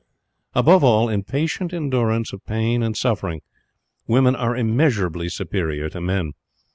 Above all, in patient endurance of pain and suffering, women are immeasurably superior to men.